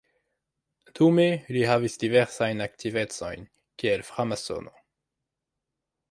Dume li havis diversajn aktivecojn kiel framasono.